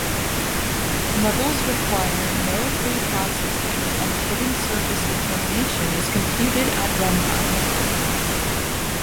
Levels require no preprocessing and hidden surface determination is computed at run-time.